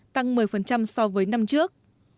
tăng một mươi so với năm trước